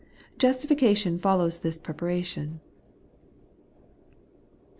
Justification follows this preparation.'